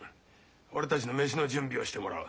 俺たちの飯の準備をしてもらう。